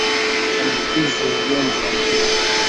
Uambukizaji wa ugonjwa wa mkojo